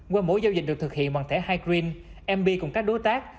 qua mỗi giao dịch được thực hiện bằng thẻ hay green mb cùng các đối tác